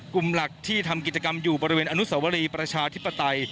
กลุ่มหลักที่ทำกิจกรรมอยู่บริเวณอนุสวรีประชาธิปไตย